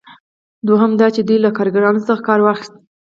دوهم دا چې دوی له کاریګرانو څخه کار واخیست.